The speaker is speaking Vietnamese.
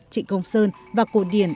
trịnh công sơn và cộ điển